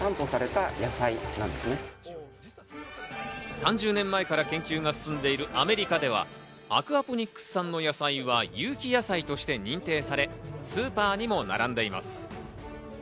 ３０年前から研究が進んでいるアメリカでは、アクアポニックス産の野菜は有機野菜として認定され、スーパーにも並んでいます。